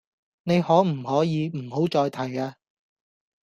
你可唔可以唔好再提呀